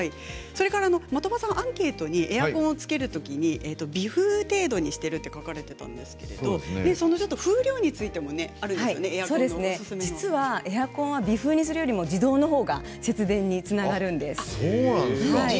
的場さん、アンケートにエアコンをつける時に微風程度にしていると書かれていたんですけどエアコンは微風にするより自動の方が節電につながるんです。